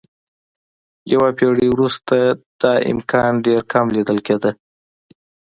یوه پېړۍ وروسته دا امکان ډېر کم لیدل کېده.